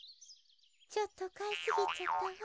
ちょっとかいすぎちゃったわ。